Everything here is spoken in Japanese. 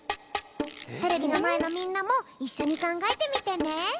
テレビのまえのみんなもいっしょにかんがえてみてね。